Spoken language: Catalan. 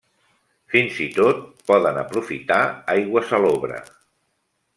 Fins i tot, poden aprofitar aigua salobre.